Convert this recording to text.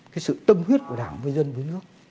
cái sự tâm huyết của đảng với dân với nước